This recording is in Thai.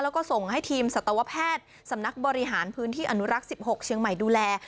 แล้วก็ส่งให้ทีมสัตวแพทย์สำนักบริหารพื้นที่อนุรักษ์๑๖เชียงใหม่ดูแล